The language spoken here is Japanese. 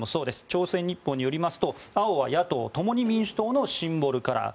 朝鮮日報によりますと青は野党・共に民主党のシンボルカラー。